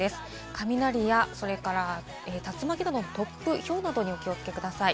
雷や、それから竜巻など突風、ひょうなどにお気をつけください。